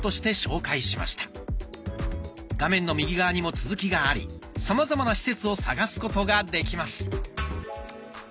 画面の右側にも続きがありさまざまな施設を探すことができます。